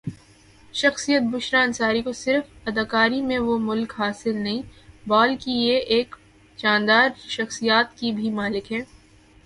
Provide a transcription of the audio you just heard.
شخصیت بشریٰ انصاری کو سرف اداکاری میں وہ ملک حاصل نہیں بال کی یہ ایک شاندرشخصیات کی بھی ملک ہیں